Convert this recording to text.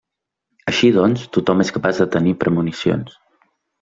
Així doncs, tothom és capaç de tenir premonicions.